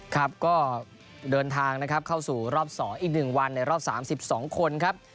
ครับก็เดินทางนะครับเข้าสู่รอบ๒อีก๑วันในรอบ๓๒คนครับ